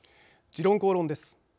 「時論公論」です。